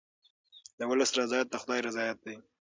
د ولس رضایت د خدای رضایت دی.